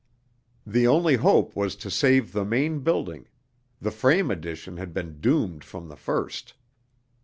The only hope was to save the main building the frame addition had been doomed from the first.